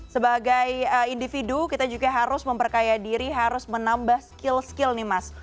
sebagai individu kita juga harus memperkaya diri harus menambah skill skill nih mas